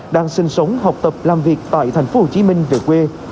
đang sinh sống học tập làm việc tại thành phố hồ chí minh về quê